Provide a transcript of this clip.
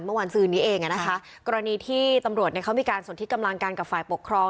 เมื่อคืนนี้เองอ่ะนะคะกรณีที่ตำรวจเนี่ยเขามีการสนที่กำลังกันกับฝ่ายปกครอง